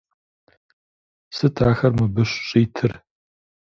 Сыт ахэр мыбы щӀитыр?